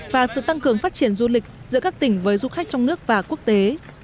và sự tăng cường phát triển du lịch giữa các tỉnh với du khách trong nước và quốc tế